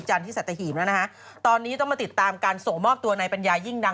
จะกินก่อนนอนแล้วพี่นอนตัวมาสบายไหม